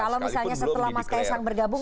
kalau misalnya setelah mas kaisang bergabung